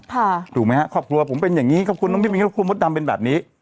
ถูกไหมฮะครอบครัวผมเป็นอย่างนี้ขอบคุณน้องพี่มิ้นครอบครัวมดดำเป็นแบบนี้